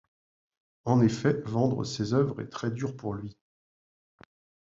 En effet, vendre ses œuvres est très dur pour lui.